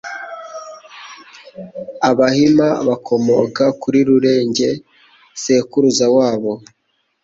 abahima bakomoka kuri Rurenge sekuruza wabo,